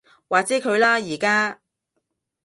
話之佢啦而家